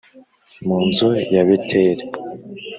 Mu nzu ya Beteli